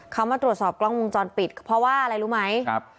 เขามาตรวจสอบกล้องวงจรปิดเพราะว่าอะไรรู้ไหมครับ